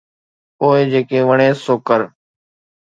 پوءِ جيڪي وڻيس سو ڪر.